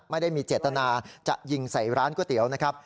ไม่ได้มีเจตนาจะยิงใส่ร้านก๋วยเตี๋ยวนะครับ